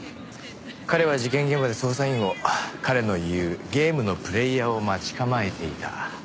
彼は事件現場で捜査員を彼の言うゲームのプレーヤーを待ち構えていた。